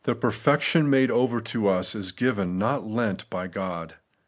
97 perfection made over to us is given, not lent, by God.